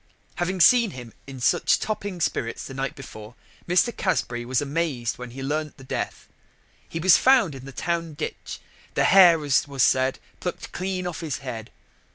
] Having seen him in such topping spirits the night before, Mr. Casbury was amaz'd when he learn'd the death. He was found in the town ditch, the hair as was said pluck'd clean off his head.